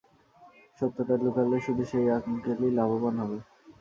সত্যটা লুকালে, শুধু সেই আঙ্কেলই লাভবান হবে।